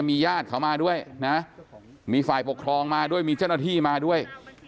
มีญาติเขามาด้วยนะมีฝ่ายปกครองมาด้วยมีเจ้าหน้าที่มาด้วย